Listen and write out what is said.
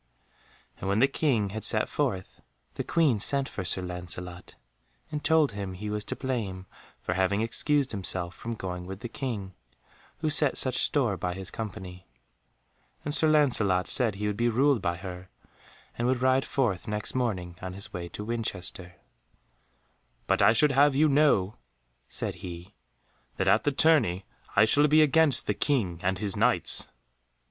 And when the King had set forth, the Queen sent for Sir Lancelot, and told him he was to blame for having excused himself from going with the King, who set such store by his company; and Sir Lancelot said he would be ruled by her, and would ride forth next morning on his way to Winchester; "but I should have you know," said he, "that at the tourney I shall be against the King and his Knights."